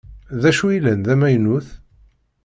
Dacu i yellan d amaynut?